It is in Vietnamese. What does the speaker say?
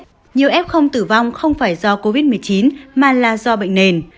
nhiều f tử vong không phải do covid một mươi chín mà là do bệnh nền